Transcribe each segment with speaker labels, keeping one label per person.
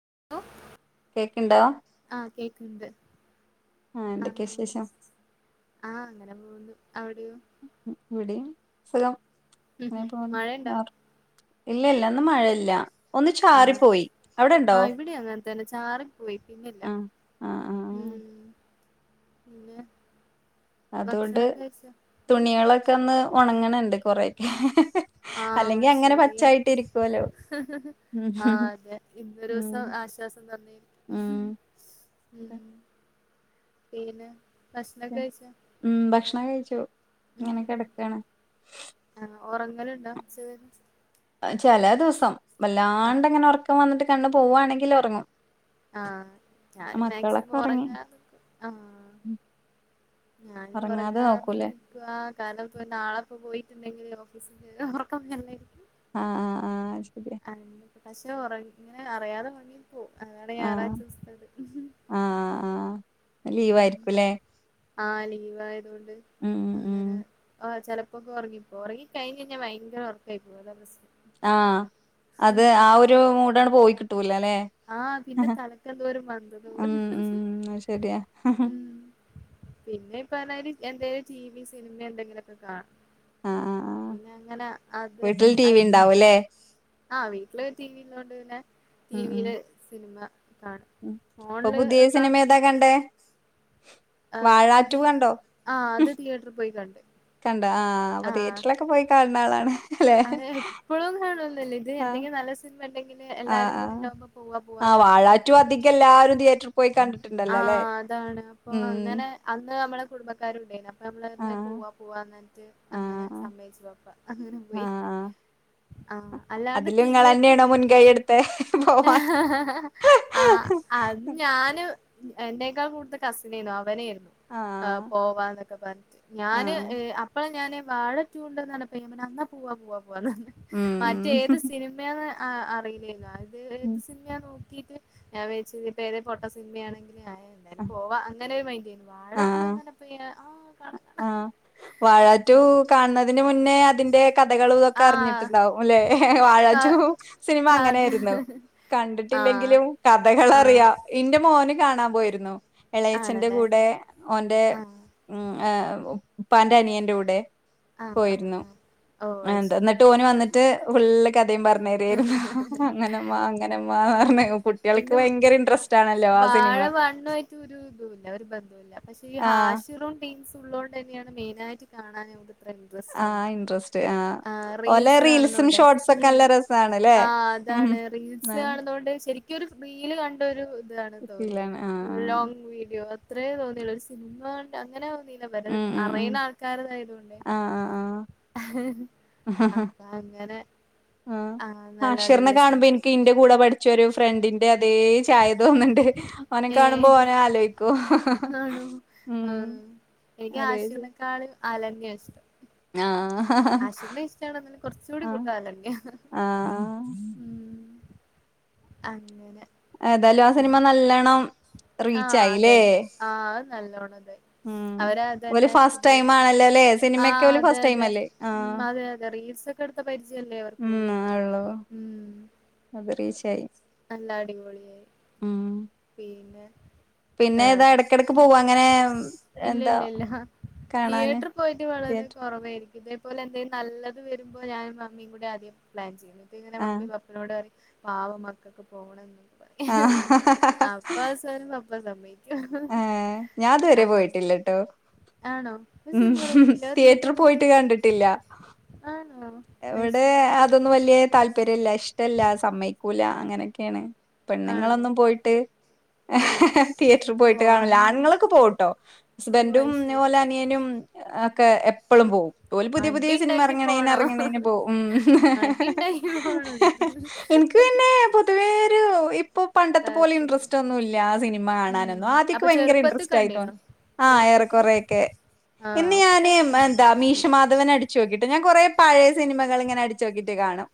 Speaker 1: [unintelligible]
Speaker 2: കേക്ക്ണ്ടോ
Speaker 1: ആ കേക്ക്ണ്ട്
Speaker 2: ആ എന്തൊക്കെ
Speaker 1: ആമ്മ്
Speaker 2: വിശേഷം
Speaker 1: ആ അങ്ങനെ പോകുന്നു അവിടെയോ
Speaker 2: ഇവിടെ യും സുഖം അങ്ങനെ
Speaker 1: ഉംഹും.
Speaker 2: പോകുന്നു
Speaker 1: മഴയുണ്ടോ
Speaker 2: നോ ഇല്ല ല്ലന്ന് മഴല്ല
Speaker 1: ആ ആ ഇവിടി അങ്ങൻത്തന്നെ ചാറി പോയി പിന്നെല്ല
Speaker 2: ആ ആ ആ
Speaker 1: ഉം പിന്നെ
Speaker 2: അതൊണ്ട്
Speaker 1: ഭക്ഷണൊക്കെ കഴിച്ചോ ഉം
Speaker 2: തുണികളൊക്കെ ഒന്ന് ഒണങ്ങ്ണ് ണ്ട് കൊറെക്കെ അല്ലെങ്കി അങ്ങനെ പച്ചായിട്ട് ഇരികോലോ
Speaker 1: ആ അതെ
Speaker 2: ഉം
Speaker 1: ഇന്നരോസം ആശ്വാസംന്ന് പറഞ്
Speaker 2: ഉം
Speaker 1: ഉം
Speaker 2: ഇതൊക്കെ.
Speaker 1: പിന്നെ ഭഷണോക്കെ കഴിച്ച
Speaker 2: ണകഴിച്ചു ങ്ങനെ കെടക്കാണ്
Speaker 1: ആഹ് ഒറങ്ങലുണ്ടോ ച്ചോ
Speaker 2: ചെലേ ദിവസം
Speaker 1: ആഹ്
Speaker 2: വല്ലാണ്ടങ്ങനെ ഒറക്കം വന്നിട്ട് കണ്ണ് പോവാണെങ്കിലൊർങ്ങും
Speaker 1: ആ ഞാനും മാക്സിമം
Speaker 2: ഒറങ്ങി
Speaker 1: ഒറങ്ങാ [unintelligible] ആ ഞാനും
Speaker 2: ഉറങ്ങാതെ
Speaker 1: ഒറങ്ങാതെ
Speaker 2: നോക്കൂലേ
Speaker 1: നിക്ക കാരണം പ്പൊ നാളെ പ്പം പോയിട്ടുണ്ടെങ്കില് [unintelligible] ഒറക്കം വരു [unintelligible]
Speaker 2: ആ ആ ആ ശരിയാ
Speaker 1: ആ പക്ഷേ ഒറങ്ങി അറിയാതെ ഒർങ്ങി പോവും അതാണ്
Speaker 2: ആ
Speaker 1: ഞായറാഴ്ച സ്തത്
Speaker 2: ലീവായിരികുല്ലേ
Speaker 1: ആ ലീവായതോണ്ട്
Speaker 2: ഉം
Speaker 1: അങ്ങനെ ആ ചെ പ്പൊ ഓർങ്ങി പോവും ഓർങ്ങി കഴിഞ്ഞഴഞ്ഞാ ഭയങ്കര ഓർക്കായി പോവും അതാ പ്രശ്‌നം
Speaker 2: ആ അത് ആ ഒരു മൂടാണ്ട് പോയി കിട്ടൂലെ
Speaker 1: ആ പിന്നെ തലക്കെന്തോര്
Speaker 2: ഉം
Speaker 1: മന്തത്‌പോലെ
Speaker 2: ഉം അത് ശരിയാ ആഹ്
Speaker 1: ഉം പിന്നെ ഇപർഞ്ഞായിരി എന്താലും ടി വി സിനിമ എന്തെങ്കിലൊക്കെ കാ
Speaker 2: ആഹ് ആഹ്
Speaker 1: പിന്നെ അങ്ങനെ അത്
Speaker 2: വീട്ടിൽ ടി വി
Speaker 1: അയില്ല
Speaker 2: ഉണ്ടാവുംല്ലേ
Speaker 1: ആ വീട്ടില് ടി വി ള്ളൊണ്ട് പിന്നെ ടി
Speaker 2: ഉം
Speaker 1: വി
Speaker 2: ഉം
Speaker 1: യില് സിനിമ കാണും
Speaker 2: ഉം ഇപ്പൊ
Speaker 1: ഫോണില്
Speaker 2: പുതിയ സിനിമ ഏതാ കണ്ടേ
Speaker 1: ആ
Speaker 2: വാഴ ടു
Speaker 1: പുതിയ
Speaker 2: കണ്ടോ
Speaker 1: ആ അത് തിയേറ്ററി പോയി കണ്ട്
Speaker 2: ആ അപ്പൊ തിയേറ്ററിലൊക്കെ പോയി കാണ് ണ ആളാണ് അല്ലെ
Speaker 1: അതെ എപ്പളും കാണൊന്നുല്ല ഇത്
Speaker 2: ആഹ്
Speaker 1: എന്തെങ്കിലും നല്ല സിനിമ ണ്ടെങ്കില് എല്ലാരും കൂടി ണ്ടാവുമ്പോ പോവാ പോവാ
Speaker 2: ആ വാഴാ റ്റു അധികെല്ലാരും തികയേറ്ററിൽ പോയി കണ്ട് [unintelligible]
Speaker 1: ആ അതാണ് അപ്പൊ അങ്ങനെ അന്ന് നമ്മളെ കുടുംബക്കാരുണ്ടെനി അ പ്പമ്മളർഞ്ഞ്
Speaker 2: ആഹ്
Speaker 1: പോവാ പോവാ എന്നിട്ട് അങ്ങനെ
Speaker 2: ആഹ്
Speaker 1: സമ്മയ്ച് വാപ്പ അങ്ങനെ പോയി
Speaker 2: ആഹ് ആഹ്
Speaker 1: ആ അല്ലാണ്ട്
Speaker 2: അതില് നിങ്ങള്
Speaker 1: തിയേറ്റർ
Speaker 2: തന്നെയാണോ മുൻകൈ എടുത്തെ പോവാ
Speaker 1: ആ ആ അത് ഞാന് എന്റെക്കാൾ കൂടുത്ത കസിനേന്നു അവനെ ര്ന്നു അ്
Speaker 2: ആഹ്
Speaker 1: പോവാ ന്നൊക്കെ പർഞ്ഞിട്ട് ഞാന്
Speaker 2: ആഹ്
Speaker 1: അപ്പള ഞാന് വാഴ റ്റൂ ണ്ടെന്ന് പർഞ്ഞപ്പോ ഞാ പർഞ്ഞ് ന്ന പോവാ പോവാ പോവാ ന്നർഞ്ഞ് മറ്റേത് സിനിമ ആ അറിയില്ലല്ലോ അത് ഏത്
Speaker 2: ഉം
Speaker 1: സിനിമയ നോക്കിട്ട് ഞാൻ വിചാർച്ച് ഇപ്പ ഏതെ പൊട്ട സിനിമയാണെ [unintelligible] എന്താലും പോവാ അങ്ങനെ ഒരു മൈൻ്റെന്നു വാഴ റ്റു ആണെന്നർഞ്ഞ പോ ഞാ ആ കാണാം
Speaker 2: ആ
Speaker 1: കാണാം
Speaker 2: വാഴാറ്റു കാണുന്നതിന് മുന്നേ അതിന്റെ കഥകളു ഇതൊക്കെ
Speaker 1: ആ
Speaker 2: അർഞ്ഞിട്ടുണ്ടാവും ല്ലെ വാഴ
Speaker 1: ക
Speaker 2: റ്റു സിനിമ
Speaker 1: കഥ
Speaker 2: അങ്ങനെയ്ര്ന്നു
Speaker 1: ആ
Speaker 2: കണ്ടിട്ടില്ലെങ്കിലും
Speaker 1: ആ
Speaker 2: കഥകളറിയ ഇന്റെ മോന് കാണാൻ പോയിര്ന്നു എളയച്ചന്റെ
Speaker 1: ആണല്ലേ
Speaker 2: കൂടെ ഓന്റെ
Speaker 1: ആ
Speaker 2: ഉം ഹ് ഉപ്പാന്റെ അനിയന്റെ കൂടെ
Speaker 1: ആ ആ ആ
Speaker 2: ന്ത് ന്ന്ട്ട് ഓന് വന്ന്ട്ട് ഫുള്ള് ക ഥയും പർഞ്ഞെരും ഏത് അങ്ങനെമ്മാ ഇങ്ങനെമ്മാർഞ്ഞ് കുട്ട്യേൾക്ക്
Speaker 1: ഇത്
Speaker 2: ഭയങ്കര ഇൻട്രസ്റ്റാണല്ലോ
Speaker 1: വാഴ വണ്ണു ആയിട്ട് ഒരുതുല്ല ഒരു ബന്ധുല്ല പക്ഷെ ഈ
Speaker 2: ആഹ്
Speaker 1: ഹാഷിറും ടീംസും ഉള്ളോണ്ട്ന്നെയാണ് മെയിനായിട്ട് കാണാൻ ഇത്ര ഇൻട്രസ്റ്റ്
Speaker 2: ആ
Speaker 1: വന്നെ
Speaker 2: ഇൻട്രസ്റ്റ് ആ
Speaker 1: ആഹ്
Speaker 2: ഓലെ റീൽസും ഷോർട്സൊക്കെ നല്ല ര
Speaker 1: ആ അതാണ് റീൽസ് കാണ്ന്നാേണ്ട് ശരിക്കൊരു റീല് കണ്ടൊരു താണ് തോന്നിയത്
Speaker 2: ഫീലാണ് ആഹ്
Speaker 1: ഫുൾ
Speaker 2: ആഹ്
Speaker 1: ലോങ് വീഡിയോ അത്രയേ തോന്നിയൊള്ളു ഒരു സിനിമണ്ട് അങ്ങന [unintelligible]
Speaker 2: ഉം ഉം ഉം
Speaker 1: അറിയ്ണ ആൾക്കാര്തായതൊണ്ടേ
Speaker 2: ആഹ് ആഹ്
Speaker 1: അക്ക അങ്ങനെ
Speaker 2: ആ
Speaker 1: ആഹ് നല്ല
Speaker 2: അഷിർനെ
Speaker 1: അടിപൊളി
Speaker 2: കാണുമ്പോ ൻക്ക്
Speaker 1: സിനിമ
Speaker 2: ഇന്റെ കൂടെ പഠിച്ചൊരു ഫ്രണ്ടിന്റെ അതേ ചായ തോന്ന്ണ്ട് ഓനെ കാണുമ്പോ
Speaker 1: ഏഹ്
Speaker 2: ഓനെ ആലോയ്ക്കു
Speaker 1: ആണോ ആ എനിക്ക് ആഷിർനേക്കാള് അലന്നെയാഷ്ടം
Speaker 2: ആ
Speaker 1: ആഷിർനെ ഇഷ്ടാണ് എന്നാലും കൊർച്ചൂടി കൂടുതൽ അലന്ന്യാ
Speaker 2: ആഹ്
Speaker 1: ഉം അങ്ങനെ
Speaker 2: ഏതായാലും ആ സിനിമ
Speaker 1: പിന്നെ
Speaker 2: നല്ലണം
Speaker 1: ആഹ് അതെ
Speaker 2: റീച്ചായിലേ
Speaker 1: അതെ ആഹ് അത് നല്ലോണം ഇതായി
Speaker 2: ഉം
Speaker 1: അവര്
Speaker 2: ഓല്
Speaker 1: അതന്നെ
Speaker 2: ഫസ്റ്റ്
Speaker 1: പുതിയത് ഇതാക്കി
Speaker 2: ടൈമാണല്ലല്ലേ സിനിമക്ക്
Speaker 1: ആഹ്
Speaker 2: ഓല്
Speaker 1: അതെ
Speaker 2: ഫസ്റ്റ്
Speaker 1: അതെ
Speaker 2: ടൈമല്ലേ ആ
Speaker 1: റീൽസ് സല്ലേവർക്കാെള്ളൂ
Speaker 2: ഉള്ളൂ
Speaker 1: ഉം
Speaker 2: അത്
Speaker 1: ആ
Speaker 2: റീച്ചായി
Speaker 1: നല്ല അടിപൊളിയായി
Speaker 2: ഉം
Speaker 1: പിന്നെ
Speaker 2: പിന്നെ ഏതാ ഇടക്കെടക്ക്
Speaker 1: ആഹ്
Speaker 2: പോവും അങ്ങനെ എന്താ കാണാന്
Speaker 1: തിയേറ്റർ പോയിട്ട് വളരെ
Speaker 2: തിയേറ്റർ
Speaker 1: കാെറവെയ് ഇതേപോലെ എന്തേം നല്ലത് വരുമ്പോ ഞാൻ മമ്മിയും കൂടെ ആദ്യേ പ്ലാൻ ചെയ്യ് ങ്ങനെ
Speaker 2: ആഹ്
Speaker 1: മമ്മി പപ്പനോട് പറയും പാവം മക്കക്ക്‌ പോണംന്നൊക്കെ
Speaker 2: ആഹ്
Speaker 1: പറയു അപ്പ സ് പപ്പാ സ മ്മയ്
Speaker 2: ഏ ഞാ ഇതുവരെ പോയിട്ടില്ലട്ടോ
Speaker 1: ആണോ ഒരു
Speaker 2: ഉം
Speaker 1: സിനിമ പോലും കണ്ടില്ല
Speaker 2: തിയേറ്ററ്
Speaker 1: തിയേറ്ററിൽ പോയിട്ട്
Speaker 2: പോയ്ട്ട് കണ്ട്ട്ടില്ല
Speaker 1: ആണോ അത്
Speaker 2: എവ്ടെ
Speaker 1: ശരി
Speaker 2: അതൊന്നും വല്യ താല്പര്യല്ല ഇഷ്ടല്ല സമ്മയ്ക്കൂല അങ്ങനെക്കേണ്
Speaker 1: ആണോ
Speaker 2: പെണ്ണ്ങ്ങളൊന്നും പോയ്ട്ട്
Speaker 1: ആഹ്
Speaker 2: തിയേറ്ററ്
Speaker 1: ഓ
Speaker 2: പോയിട്ട് കാണുല്ലാ ആണുങ്ങളൊക്ക പോകുട്ടോ
Speaker 1: ഓ
Speaker 2: ഹസ്ബന്റും
Speaker 1: അത്
Speaker 2: ഇതേ
Speaker 1: ശരി
Speaker 2: പോലെ അനിയനും ഒക്കെ എപ്പളും പോവും ഓല് പുത്യെ പുത്യേ
Speaker 1: അടി
Speaker 2: സിൻമ
Speaker 1: ഉണ്ടാക്കി പോണോ
Speaker 2: എർങ്ങ്ണേനെർ ങ്ങണേന് പോവും
Speaker 1: അടി ഉണ്ടാക്കി
Speaker 2: ഇൻക്ക്
Speaker 1: പോണോ
Speaker 2: പിന്നെ പൊതുവേ ഒരു ഇപ്പൊ പണ്ടത്തെ പോലെ
Speaker 1: താഴച്ചൂടില്
Speaker 2: ഇന്ട്രസ്റ്റാെ‌ന്നുല്ല സിനിമ
Speaker 1: ഉം
Speaker 2: കാണാനൊന്നും ആദ്യക്കെ
Speaker 1: അപ്പൊ
Speaker 2: ഭയങ്കര
Speaker 1: ചെറുപ്പത്തി
Speaker 2: ഇൻട്രസ്റ്റായ്
Speaker 1: കണ്ടീനോ
Speaker 2: ആ
Speaker 1: ചെറുപ്പത്തിലൊക്കെ
Speaker 2: ഏറെക്കാെറേക്കെ
Speaker 1: ആഹ്
Speaker 2: ഇന്ന് ഞാന്
Speaker 1: ഉപ്പയാണ്
Speaker 2: എന്താ
Speaker 1: കൊണ്ടോയത്
Speaker 2: മീശമാധവനടിച്ച് നോക്കിട്ടോ ഞാൻ കൊറേ സിനിമകള്ങ്ങനെ അട്ച്ചോക്കീട്ട് കാണും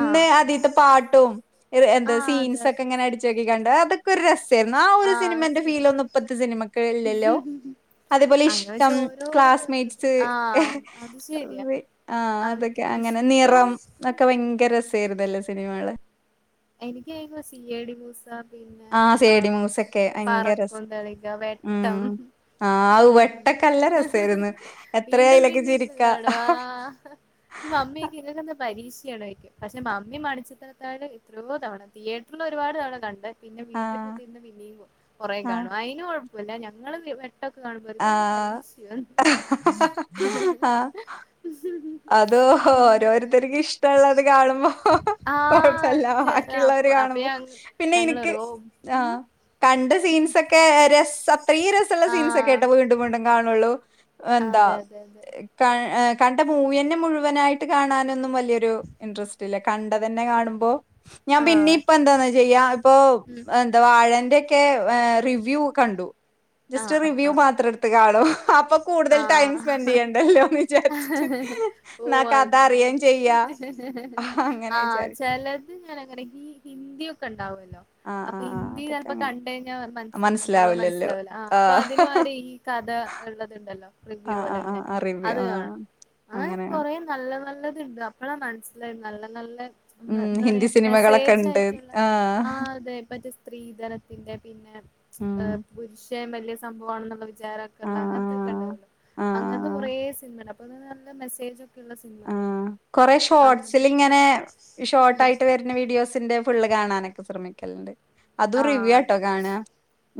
Speaker 2: ഇന്ന്
Speaker 1: ആഹ് ആഹ്
Speaker 2: അതീത്തെ പാട്ടും എ എന്താ
Speaker 1: ആഹ് അതെ
Speaker 2: സീൻസ്സോക്കെ
Speaker 1: അതെ
Speaker 2: ഇങ്ങനെ അടിച്ചോക്കി കണ്ട് അതൊക്കെ ഒരു രസ് ന്ന ആ ഒരു സിനിമന്റെ ഫീലൊന്നു ഇപ്പത്തെ സിനിമക്ക് ഇല്ലല്ലോ അതേപോലെ
Speaker 1: ആഹ് അത് ശരിയാ അങ്ങനെ വെച്ച
Speaker 2: ഇഷ്ടം
Speaker 1: ഓരോരോ ഓരോ ഇത്
Speaker 2: ക്ലാസ്മേറ്റ്സ്
Speaker 1: ആഹ് അത് ശരിയാ
Speaker 2: വി അ ആ
Speaker 1: ആഹ്
Speaker 2: അതൊക്കെ അങ്ങനെ നിറം ഒക്കെ
Speaker 1: ഇഷ്ടം
Speaker 2: ഭയങ്കര രസേയ്ര്ന്നല്ലെ സിനിമകള്
Speaker 1: എനിക്ക് [unintelligible] സിഎടിമൂസ പിന്നെ ആ
Speaker 2: സേഡി മൂസൊക്കെ ഭയങ്കര
Speaker 1: പറക്കും തളിക്ക വെട്ടം
Speaker 2: ആവു
Speaker 1: ഉം
Speaker 2: വെട്ടംക്കെല്ല രസേയ്ര്ന്ന് എത്രേ
Speaker 1: വീണ്ടും
Speaker 2: അയ്ലാെക്കെ
Speaker 1: വീണ്ടും ഇരുന്ന്
Speaker 2: ചിരിക്കാ
Speaker 1: കാണും ആ
Speaker 2: ഹ
Speaker 1: മമ്മിയൊക്കെ ഇവനെന്താ പരീഷ് ണോയ്ക്കും പക്ഷെ മമ്മി മണിച്ചിത്രത്താഴ് എത്രയോ തവണ തിയേറ്ററ്ല്‌ ഒരുപാട് തവണ കണ്ട് പിന്നെ
Speaker 2: ആ
Speaker 1: വീട്ടിൽ കുതിരുന്ന് പിന്നെയും കുറേ
Speaker 2: ആ
Speaker 1: കാണും അതിനും കൊഴപ്പമല്ല ഞങ്ങള് ട്ടൊക്കെ കാണുമ്പോ ഇതന്താ
Speaker 2: ആഹ്
Speaker 1: പരീക്ഷയോ ഹാ ഹ
Speaker 2: അതോ ഓരോരുത്തർക്കും ഇഷ്ടമുള്ളത് കാണുമ്പോ
Speaker 1: ആഹ്
Speaker 2: കൊഴപ്പല്ല
Speaker 1: അത്
Speaker 2: ബാക്കിയുള്ളവ
Speaker 1: അപ്പൊ അപ്പൊ
Speaker 2: കാണുമ്പോ
Speaker 1: ഞങ്ങ
Speaker 2: പിന്നെ എനിക്ക്
Speaker 1: ഞങ്ങളൊരു ഓ ഉം
Speaker 2: കണ്ട സീൻസോക്കെ രസ അത്രയും രസമുള്ള സീൻസ് ഒക്കെ
Speaker 1: ആഹ്
Speaker 2: കേട്ടോ വീണ്ടും വീണ്ടും കാണുള്ളൂ എന്താ
Speaker 1: അതെ അതെ അതെ
Speaker 2: ക കണ്ട മൂവിന്നെ മുഴുവനായിട്ട് കാണാനൊന്നും വല്യ വരു ഇൻട്രസ്റ്റ് ഇല്ല കണ്ട തന്നെ കാണുമ്പോ ഞാൻ പിന്നെ
Speaker 1: ആഹ്
Speaker 2: ഇപ്പ എന്താന്നാ ചെയ്യാ ഇപ്പൊ
Speaker 1: ഉം
Speaker 2: എന്താ വാഴൻ ന്റെക്കെ റിവ്യൂ കണ്ടു ജസ്റ്റ്
Speaker 1: ആഹ്
Speaker 2: റിവ്യൂ
Speaker 1: ആഹ്
Speaker 2: മാത്രം എടുത്ത് കാണും അപ്പൊ കൂടുതൽ ടൈം സ്പെൻഡ്
Speaker 1: ആഹ്
Speaker 2: ചെയ്യേണ്ടല്ലോന്ന് വിചരിച്ചിട്ട്
Speaker 1: ആഹ് ഓ അങ്ങനെ
Speaker 2: അങ്ങനെ
Speaker 1: ആ
Speaker 2: വിചാരിക്കും
Speaker 1: ചിലത് ഞാൻ അങ്ങനെ ഈ ഹിന്ദി ഒക്കെ ഉണ്ടാവെ
Speaker 2: ആ
Speaker 1: അപ്പൊ
Speaker 2: ആ ആ
Speaker 1: ഹിന്ദി
Speaker 2: അതൊക്കെ
Speaker 1: ചിലപ്പോ
Speaker 2: അങ്ങനെ
Speaker 1: കണ്ട കഴിഞ്ഞാൽ മനസ്സി മുഴുവൻ
Speaker 2: മനസ്സിലാവില്ലല്ലോ
Speaker 1: മനസ്സിലാവൂല്ല
Speaker 2: ആ
Speaker 1: അപ്പൊ അതിന് പകരം ഈ കഥ ഉള്ള ഉണ്ടാലോ
Speaker 2: ആ ആ
Speaker 1: റിവ്യൂപോലെ
Speaker 2: ആ
Speaker 1: ഇങ്ങനെ
Speaker 2: ആ റിവ്യൂ
Speaker 1: അത്
Speaker 2: ആ
Speaker 1: കാണും അങ്ങനെ
Speaker 2: അങ്ങനെയാണ്
Speaker 1: കുറെ നല്ല നല്ല നല്ലത് ഉണ്ട് അപ്പോളാ മനസ്സിലായി നല്ല നല്ല
Speaker 2: ഉം
Speaker 1: എന്താ
Speaker 2: ഹിന്ദി
Speaker 1: പറയാ
Speaker 2: സിനിമകളൊക്കെ
Speaker 1: മെസ്സേജ്
Speaker 2: ഉണ്ട്
Speaker 1: ആയിട്ടുള്ള ആ അതെ സ്ത്രീധനത്തിന്റെ പിന്നെ
Speaker 2: ഉം
Speaker 1: പുരുഷ വലിയ സംഭവമാണെന്നുള്ള വിചാരമൊക്കെ
Speaker 2: ആ
Speaker 1: ഉള്ള അങ്ങനെ
Speaker 2: ആ ആ
Speaker 1: അങ്ങനത്തെ കുറേ സിനിമണ്ട് അപ്പൊ നല്ല മെസ്സേജ് ഒക്കെയള്ള സിനിമകള്
Speaker 2: കുറെ ഷോർട്ട്സിൽ ഇങ്ങനെ ഷോർട്ട്
Speaker 1: ഉം
Speaker 2: ആയിട്ട് വരുന്ന വീഡിയോസിന്റെ ഫുള്ള് കാണാനൊക്കെ ശ്രമിക്കും കല്ണ്ട് അതും
Speaker 1: ആ
Speaker 2: റിവ്യൂ ആട്ടോ
Speaker 1: അതെ
Speaker 2: കാണുക്കാ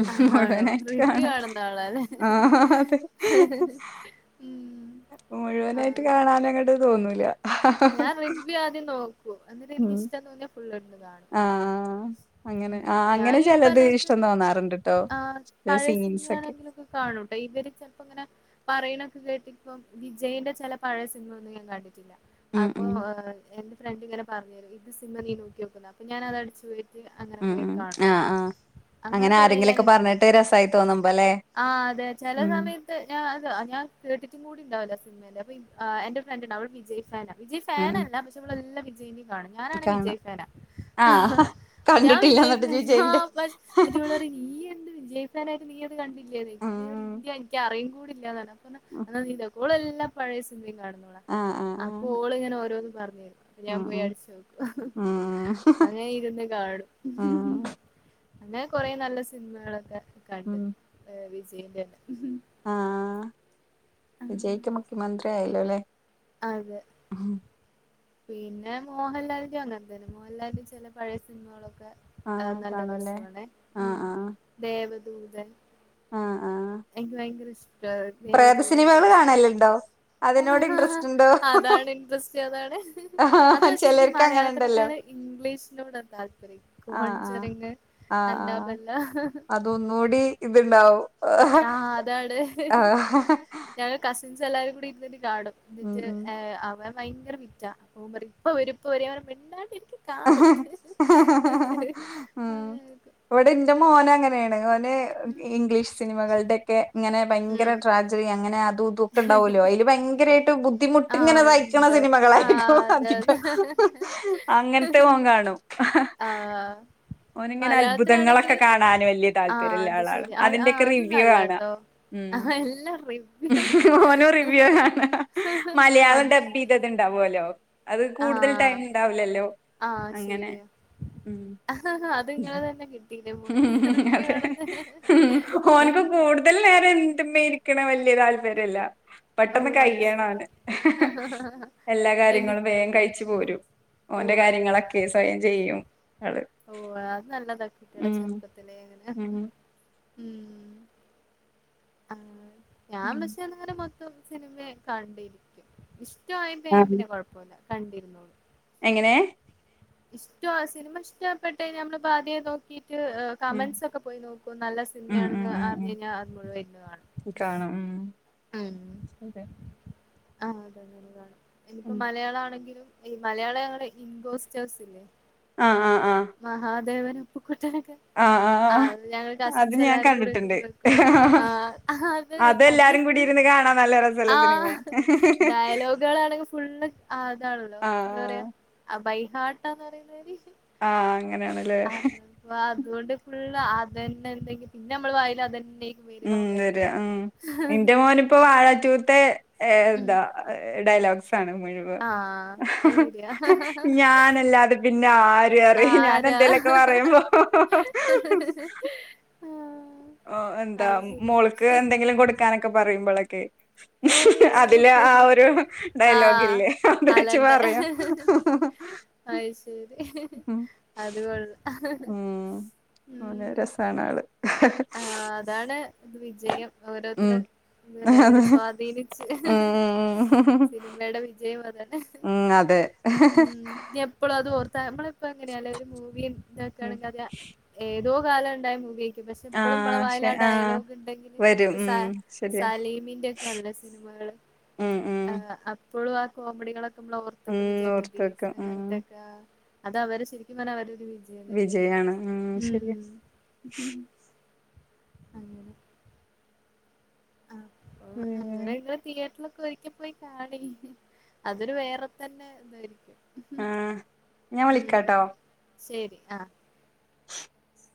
Speaker 2: ഉ
Speaker 1: ആണോ
Speaker 2: മുഴുവനായിട്ട്
Speaker 1: റിവ്യൂ
Speaker 2: കാണോ
Speaker 1: കാണുന്ന ആളാല്ലേ
Speaker 2: ആ അതെ
Speaker 1: ഉം
Speaker 2: മുഴുവനായിട്ട്
Speaker 1: ആ
Speaker 2: കാണാന അങ്ങോട്ട് തോന്നൂല്ലാ
Speaker 1: ഞാൻ റിവ്യൂ ആദ്യം നോക്കു എന്നിട്ട് എനിക്ക് ഇഷ്ടം ന്തോന്നിയ ഫുൾ
Speaker 2: ആ ആ അങ്ങനെ ആ അങ്ങനെ
Speaker 1: ഞാനും
Speaker 2: ചിലത് ഇഷ്ടം
Speaker 1: ഇപ്പറഞ്ഞത്തന്നെ
Speaker 2: തോന്നാറുണ്ട്ട്ടോ സീൻസൊക്കെ
Speaker 1: ആണെങ്കിലൊക്കെ കാണൂട്ടെ ഇവര് ചിലപ്പോ ഇങ്ങനെ പറയണ കേട്ടിപ്പ് വിജയിന്റെ ചെല പഴയ സിനിമ ഒന്നും ഞാൻ കണ്ടിട്ടില്ല
Speaker 2: ഉം
Speaker 1: അപ്പൊ
Speaker 2: ഉം
Speaker 1: എന്റെ ഫ്രണ്ട് ഇങ്ങനെ പറഞ്ഞ് തരും ഇത് സിനിമ നി നോക്കി നോക്ക്‌ ന്നാ അപ്പൊ ഞാൻ അത് അടച്ച് പോയി
Speaker 2: ഉം ഉം
Speaker 1: കാണും
Speaker 2: ആ ആ അങ്ങനെ
Speaker 1: കൊറേ
Speaker 2: ആരെങ്കിലുക്കെ
Speaker 1: ഞാന്
Speaker 2: പറഞ്ഞിട്ട് രസമായി തോന്നുമ്പോ അല്ലെ
Speaker 1: ആഹ് അതെ ചില സമയത്ത് ഞാൻ അത് ഞാൻ കേട്ടിട്ടും കൂടിണ്ടാവില്ല സിനിമന്റെ അപ്പേ ആ എന്റെ ഫ്രണ്ട് ഇണ്ട് അവള് വിജയ് ഫാനാ വിജയ്
Speaker 2: ഉം
Speaker 1: ഫാനല്ല പക്ഷെവളെല്ലാം വിജയി ണ് ഞാനാണ് വിജയ് ഫാനാ
Speaker 2: ആ ഹ
Speaker 1: ഞാൻ വിജയിഫാനാ ആപ്പ എന്നി പിള്ളേർ ഈയ് എന്ത് വിജയിഫാനായിട്ട് നീ അത് കണ്ടില്ലേന്നോയ്ക്കും
Speaker 2: ഉം
Speaker 1: ൻ പറയും ല്ല്യാ എനിക്ക് അറിയും കൂടില്ലാന്നുറഞ്ഞു അപ്പോറഞ്ഞു ഓള് എല്ലാം പഴയ സിനിമയും കാണും
Speaker 2: ആഹ് ആഹ് ആ
Speaker 1: ഇങ്ങനെ ഓരോന്ന് പറഞ്ഞരും അപ്പൊ ഞാൻ പോയി അടിച്ച് നോക്കും ഹ്
Speaker 2: ഉം
Speaker 1: ഹ് അങ്ങനെ ഇരുന്ന് കാണും മ് ഹ് ഹ്
Speaker 2: ഉം
Speaker 1: അങ്ങനെ കൊറെേ നല്ല സിനിമകളൊക്കെ കണ്ടു
Speaker 2: ഉം
Speaker 1: വിജയിന്റെ ന്നെ
Speaker 2: ആഹ് വിജയിക്ക മുഖ്യമന്ത്രിയായല്ലോ അല്ലേ
Speaker 1: അതെ പിന്നെ മോഹൻലാലിന്റെ അങ്ങനെ തന്നെ മോഹൻലാലിന്റെ ചില പഴയ സിനിമകളൊക്കെ ആ
Speaker 2: ആഹ്
Speaker 1: നല്ല
Speaker 2: കാണൂല്ലേ
Speaker 1: രസവാണെ
Speaker 2: ആഹ്
Speaker 1: ഉം
Speaker 2: ആഹ്
Speaker 1: ദേവദൂ തൻ
Speaker 2: ആഹ് ആഹ്
Speaker 1: എനിക്ക് ഭയങ്കര ഇഷ്ട
Speaker 2: പ്രേത സിനിമകൾ കാണല്ലുണ്ടോ അതിനോട്
Speaker 1: ആഹ്
Speaker 2: ഇൻട്രസ്റ്റുണ്ടോ ഹൊ ഹൊ
Speaker 1: അതാണ് ഇൻട്രസ്റ്റ് അതാണ് അത് പക്ഷെ എനിക്ക് മലയാളത്തിനേക്കാൾ ഇംഗ്ലീഷിലോടെ താല്പര്യം
Speaker 2: ആഹ് ആഹ്
Speaker 1: കോഞ്ചെറിങ്ങ്
Speaker 2: ആഹ് ആഹ് അതൊന്നൂടി ഇവി
Speaker 1: ആഹ് അതാണ്
Speaker 2: ആഹ ഹ
Speaker 1: മിച്ചു എല്ലാരും കൂടി ഇരുന്നിട്ട് കാണും എന്നിട്ട് ഏ അവൻ ഭയങ്കര വിറ്റാ അപ്പ ഓൻ പറയും ഇപ്പ വരും ഇപ്പ വരും ഞാൻ പറയും മിണ്ടാണ്ടിരി ക്ക് കാണട്ടെ ഹ് ഹ് ഹ്
Speaker 2: ഉം
Speaker 1: അങ്ങനെക്കെ
Speaker 2: ഇവിടെ എന്റെ മോന് അങ്ങനെയാണ് ഓന് ഇംഗ്ലീഷ് സിനിമകളുടെ ഒക്കെ ഇങ്ങനെ ഭയങ്കര
Speaker 1: ഉം
Speaker 2: ട്രാജടി അങ്ങ് ങ്ങനെ അതുഇതുക്കെ ഇണ്ടാവുല്ലോ അതില് ഭയങ്കരായിട്ട് ബു ബുദ്ധിമുട്ടിങ്ങനെ
Speaker 1: ആഹ്
Speaker 2: സയ്ക്കണ
Speaker 1: ഇണ്ടോ
Speaker 2: സിനിമകളായിരിക്കും ഹ്
Speaker 1: ആഹ്
Speaker 2: ഹ് ഹ
Speaker 1: അതെ അതെ
Speaker 2: അധികം അങ്ങനത്തെ ഓൻ കാണും
Speaker 1: ആഹ്
Speaker 2: ഓനിങ്ങനെ അത്ഭുതങ്ങളൊക്കെ
Speaker 1: മലയാളത്തിാണെങ്കില്
Speaker 2: കാണാന് വലിയ
Speaker 1: ആ
Speaker 2: താല്പര്യമുള്ള
Speaker 1: അത്
Speaker 2: ആളാണ്
Speaker 1: ശരി ആ
Speaker 2: അതിന്റെയൊക്കെ
Speaker 1: അത്
Speaker 2: റിവ്യൂ
Speaker 1: നല്ല ട്ടോ ആഹ എല്ലാ റിവ്‌
Speaker 2: മോനും റിവ്യൂ കാണ മലയാളം
Speaker 1: ആഹ്
Speaker 2: ഡബ് ചെയ്തത്ണ്ടാവല്ലോ അത് കൂടുതൽ ടൈം
Speaker 1: ആഹ്
Speaker 2: ഇണ്ടാവില്ലല്ലോ
Speaker 1: ആഹ്
Speaker 2: അങ്ങനെ ഉം
Speaker 1: ആ അത് നിങ്ങെള് തന്നെ കിട്ട്
Speaker 2: ഹും ഹും ഹും അതെ ഹ് ഹ് ഓനക്ക് കൂടുതൽ നേരം ഇരുന്നിട്ടും മേടിക് ണ വല്യ താല്പര്യംല്ല
Speaker 1: ഓ
Speaker 2: പെട്ടെന്ന് കയ്യണ
Speaker 1: അയ്ശരി
Speaker 2: ഓവന് എല്ലാ
Speaker 1: എനി
Speaker 2: കാര്യങ്ങളും വേഗം കഴിച്ചു പോരും
Speaker 1: ഓ
Speaker 2: ഓന്റെ
Speaker 1: അങ്ങനെ
Speaker 2: കാര്യങ്ങളൊക്കെ സ്വയം ചെയ്യും ആള്
Speaker 1: ഓ അത് നല്ലതാ കുട്ടികളെ
Speaker 2: ഉം
Speaker 1: ചെറുപ്പത്തിലെ അങ്ങനെ
Speaker 2: ഉം
Speaker 1: ഉം ആ ഞാൻ
Speaker 2: ഉം
Speaker 1: പക്ഷേന്നേരം സിനിമയെ കണ്ടിരിക്കും ഇഷ്ടായിപ്പോയാ ഞാൻ
Speaker 2: ആഹ്
Speaker 1: പിന്നെ കുഴപ്പമില്ല കണ്ടിരുന്നോളും
Speaker 2: എങ്ങനെ
Speaker 1: ഇഷ്ടായ സിനിമ ഇഷ്ടപ്പെട്ട ഇപ്പ ഞമ്മള് പ്പാതെ നോക്കി
Speaker 2: ഉം
Speaker 1: കമൻസ് ഒക്കെ പോയി നോക്കൂ നല്ല
Speaker 2: ഉം ഉം
Speaker 1: സിനിമയാണെന്ന്
Speaker 2: ഉം
Speaker 1: അറിഞ്ഞു
Speaker 2: ഉം
Speaker 1: കഴിഞ്ഞാ അത് മുഴുവനിരുന്ന് കാണും
Speaker 2: കാണും ഉം
Speaker 1: ഉം ആഹ് അതെ നല്ലതാണ് ഇനിപ്പോ
Speaker 2: ഉം
Speaker 1: മലയാളം ആണെങ്കിലും ഈ മലയാളം ഇൻഗോസ്റ്റ് ഹൗസ് ഇല്ലേ
Speaker 2: ആഹ് ആഹ് ആഹ്
Speaker 1: മഹാദേവന അപ്പുക്കുട്ടനക്കെ
Speaker 2: ആഹ് ആഹ്
Speaker 1: ആ
Speaker 2: ആഹ്
Speaker 1: ഞങ്ങള്
Speaker 2: അത്
Speaker 1: കസിൻസ്
Speaker 2: ഞാൻ
Speaker 1: എല്ലാരും
Speaker 2: കണ്ടിട്ടുണ്ട്
Speaker 1: കൂടെഇരിക്കുമ്പോ കാണും ആഹ്
Speaker 2: അതെല്ലാരും
Speaker 1: ഹത്
Speaker 2: കൂടി ഇരുന്ന് കാണാൻ നല്ല രസള്ള സിനിമയാണ്
Speaker 1: ആഹ് ഡയലോഗുകളാണെങ്കിൽ ഫുള്ള് അതാണല്ലോ എന്ത പറയാ
Speaker 2: ആഹ്
Speaker 1: ബൈഹാട്ടാന്ന് പറയുന്നവര് ഹ്
Speaker 2: ആഹ് അങ്ങനെയാണല്ലേ
Speaker 1: അതുകൊണ്ട്ുള്ള അതന്നെ എന്തെങ്കും പിന്നെ നമ്മൾ വായിൽ അതന്നെ
Speaker 2: ഉം തരി ഉം നിന്റെ മോനി ഇപ്പോ വാഴാറ്റൂത്തെ ഏ
Speaker 1: ഉം
Speaker 2: എതാ ഡയലോഗഗ്സ് ്
Speaker 1: ആഹ് അത് ശരിയാ
Speaker 2: ഞല്ലന്നെ
Speaker 1: ആരാ
Speaker 2: എന്തലൊക്കെ പറയുമ്പോ എന്താ
Speaker 1: അത് ശരി
Speaker 2: മോൾക്ക് എന്തെങ്കിലും കൊടുക്കാനൊക്കെ പറയുമ്പോഴൊക്കെ
Speaker 1: ഓ
Speaker 2: അതില് ആ ഒരു
Speaker 1: ആഹ്
Speaker 2: ഡയലോഗില്ലേ അന്ത വെച്ച്
Speaker 1: അലന്റെ
Speaker 2: പറയാം
Speaker 1: അത് ശരി അത്പ
Speaker 2: ഉം ഓന്
Speaker 1: ഉം
Speaker 2: രസാണ് ആള്
Speaker 1: ആ അതാണ് ഇത് വിജയം ഓരോരുത്ത
Speaker 2: ഉം അതെ ഉം
Speaker 1: അധീനിച്ച്
Speaker 2: ഉം ഉം
Speaker 1: സിനിമയുടെ വിജയം അതല്ല
Speaker 2: ഉം അതെ
Speaker 1: എപ്പളും അത് ഓർത്താ നമ്മളിപ്പോ എങ്ങനെയല്ല ഒരു
Speaker 2: ഉം
Speaker 1: മൂവിയോക്കണെങ്കിൽ അ ഏതോ കാലം ഉണ്ടായ മൂവി പക്ഷെ ഇപ്പോഴും നമ്മളെ
Speaker 2: ആഹ്
Speaker 1: വായൽ
Speaker 2: ക്ഷെ
Speaker 1: ആ
Speaker 2: ആഹ്
Speaker 1: ഡയലോഗ് ഉണ്ടെങ്കില്
Speaker 2: വരും
Speaker 1: ഇ
Speaker 2: ഉം
Speaker 1: സ
Speaker 2: ശരിയാ
Speaker 1: സാലിമിന്റെ ണല്ല സിനിമകൾ
Speaker 2: ഉം ഉം
Speaker 1: അപ്പോഴും ആ കോമഡികളൊക്കെ ഓർത്തക്കുന്ന
Speaker 2: ഉം ഓർത്ത്
Speaker 1: ജഗദീ്
Speaker 2: വെക്കും ഉം
Speaker 1: അങ്ങനത്തൊക്കെ അത് അവര് ശരിക്കും പറ അവര് വിജയം തന്നെയല്ലേ
Speaker 2: വിജയാണ് ഉം ശരിയാ
Speaker 1: ഉ അങ്ങനെെ [unintelligible] ആ അ അങ്ങനെ ഇങ്ങനെ തിയേറ്ററൽ ഒരിക്ക പോയി കാണി അതൊരു വേറെ തന്നെ ഇന്തായിരിക്കും
Speaker 2: ആ ഞാൻ വിളിക്കാട്ടോ
Speaker 1: ശരി ആഹ്
Speaker 2: [inaudible]